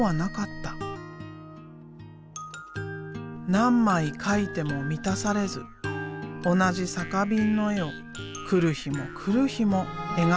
何枚描いても満たされず同じ酒瓶の絵を来る日も来る日も描き続けた。